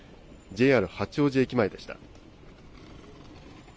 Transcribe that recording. ＪＲ八王子駅前でした。